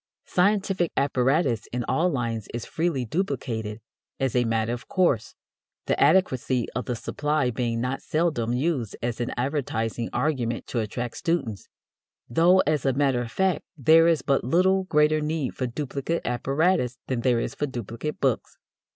Scientific apparatus in all lines is freely duplicated as a matter of course, the adequacy of the supply being not seldom used as an advertising argument to attract students; though, as a matter of fact, there is but little greater need for duplicate apparatus than there is for duplicate books.